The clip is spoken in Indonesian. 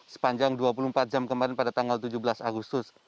sepanjang dua puluh empat jam kemarin pada tanggal tujuh belas agustus